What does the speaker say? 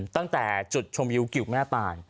ตั้งแต่จุดชมวิวกิวแม่ปาน